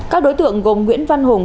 các đối tượng gồm nguyễn văn hùng